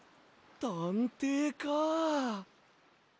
たんていか。